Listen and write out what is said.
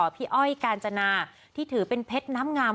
พี่อ้อยกาญจนาที่ถือเป็นเพชรน้ำงาม